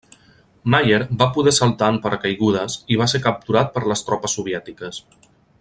Maier va poder saltar en paracaigudes i va ser capturat per les tropes soviètiques.